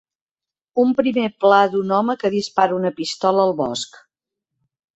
Un primer pla d'un home que dispara una pistola al bosc.